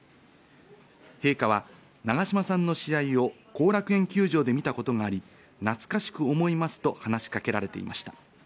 陛下は長嶋さんの試合を後楽園球場で見たことがあり、懐かしく思いますと話しかけられていました。